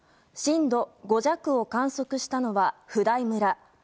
震度５弱を観測したのは普代村。